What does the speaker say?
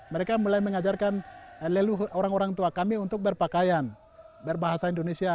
mereka mulai mengajarkan leluhur orang orang tua kami untuk berpakaian berbahasa indonesia